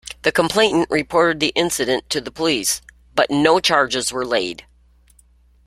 The complainant reported the incident to the police, but no charges were laid.